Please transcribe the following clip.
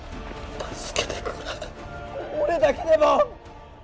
助けてくれ俺だけでも！